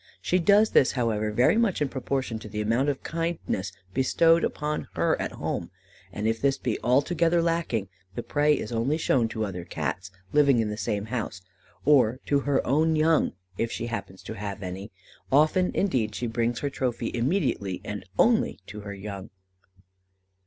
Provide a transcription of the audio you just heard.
She does this, however, very much in proportion to the amount of kindness bestowed upon her at home, and if this be altogether lacking, the prey is only shown to other Cats living in the same house, or to her own young, if she happens to have any; often indeed, she brings her trophy immediately and only to her young.